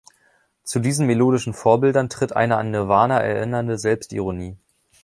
Zu diesen melodischen Vorbildern tritt eine an Nirvana erinnernde Selbstironie.